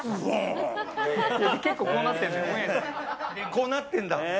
こうなってるんだ。